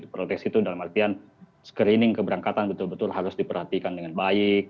proteksi itu dalam artian screening keberangkatan betul betul harus diperhatikan dengan baik